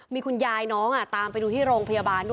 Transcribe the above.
มีคุณยายน้องตามไปดูที่โรงพยาบาลด้วย